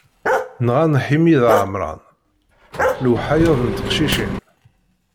Nɣan Ḥimi d Ɛemran, lewḥayed n teqcicin.